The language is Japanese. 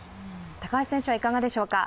高橋選手はいかがでしょうか？